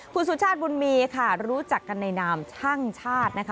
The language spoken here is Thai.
พูดสุดชาติบุญมีร์รู้จักกันในนามช่างชาติ